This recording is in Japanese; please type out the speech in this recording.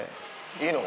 いいの？